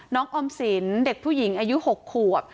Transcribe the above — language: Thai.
ออมสินเด็กผู้หญิงอายุ๖ขวบ